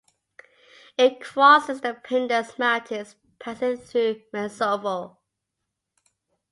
It crosses the Pindus mountains, passing through Metsovo.